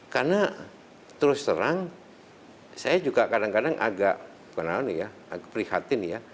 karena terus terang saya juga kadang kadang agak perhatian ya